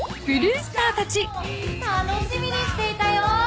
楽しみにしていたよ！